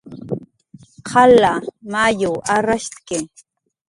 Qalqa mayuw arrashtki